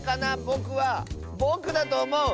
ぼくはぼくだとおもう！